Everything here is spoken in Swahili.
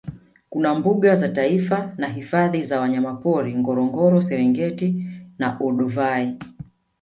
Kuna mbuga za taifa na hifadhi za wanyamapori Ngorongoro Serengeti na Olduvai